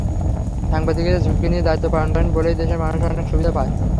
সাংবাদিকেরা ঝুঁকি নিয়ে দায়িত্ব পালন করেন বলেই দেশের মানুষ অনেক সুবিধা পায়।